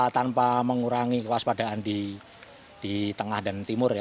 tanpa mengurangi kewaspadaan di tengah dan timur